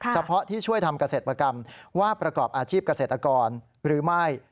เฉพาะที่ช่วยทำเกษตรกรรมว่าประกอบอาชีพเกษตรกรหรือไม่